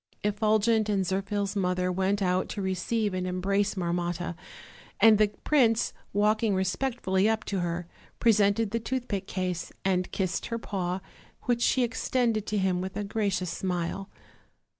Effulgent and Zirphil's mother went out to receive and embrace Marmotta, and the prince, walking respectfully up to her, presented the toothpick case and kissed her paw, which she extended to him with a gracious smile.